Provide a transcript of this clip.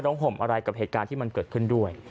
ห่มอะไรกับเหตุการณ์ที่มันเกิดขึ้นด้วย